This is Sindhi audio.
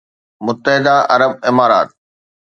متحده عرب امارات